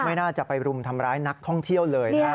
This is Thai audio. ไม่น่าจะไปรุมทำร้ายนักท่องเที่ยวเลยนะครับ